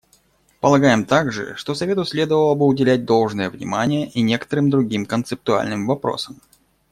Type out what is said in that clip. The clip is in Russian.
Полагаем также, что Совету следовало бы уделять должное внимание и некоторым другим концептуальным вопросам.